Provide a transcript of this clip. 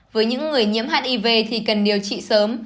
với những người nhiễm hiv thì cần điều trị sớm